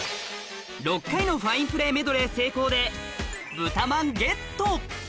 ６回のファインプレーメドレー成功で豚まんゲット！